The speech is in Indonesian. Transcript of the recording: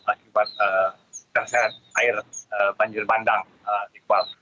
akibat terserah air banjir bandang iqbal